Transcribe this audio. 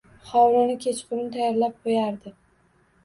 Hovlini kechqurun tayyorlab qo‘yardi.